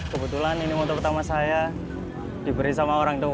kebetulan ini motor pertama saya diberi sama orang tua